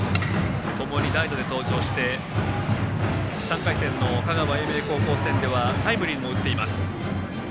ともに代打で登場して３回戦の香川・英明高校戦ではタイムリーも打っています。